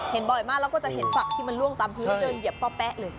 เห็นบ่อยมากเราก็จะเห็นฝักที่มันล่วงตามพึกเดินเหยียบพ่อแป๊ะเลย